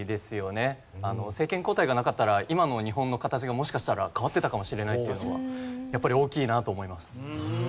政権交代がなかったら今の日本の形がもしかしたら変わってたかもしれないっていうのはやっぱり大きいなと思います。